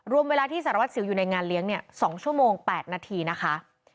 รวมเวลาที่สารวสิวอยู่ในงานเลี้ยง๒ชั่วโมง๘นาทีนะคะ